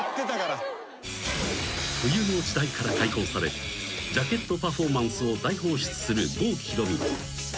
［冬の時代から解放されジャケットパフォーマンスを大放出する郷ひろみ］